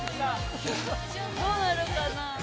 「どうなるかな？」